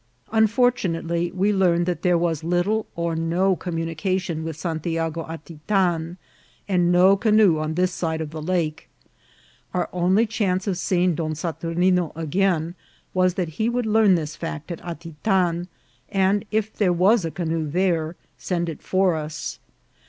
Unfortunately, we learned that there was little or no communication with Santiago Atitan, and no canoe on this side of the lake. Our only chance of seeing Don Saturnine again was that he would learn this fact at Atitan, and if there was a canoe there, send it for us.